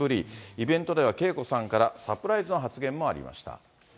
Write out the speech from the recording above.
イベントではＫＥＩＫＯさんからサプライズな発言もありました。